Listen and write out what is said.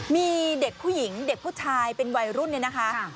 มีเด็กผู้หญิงเด็กผู้ชายเป็นวัยรุ่นเนี่ยนะคะ